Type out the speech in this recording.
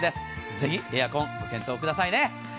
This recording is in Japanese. ぜひ、エアコンご検討くださいね。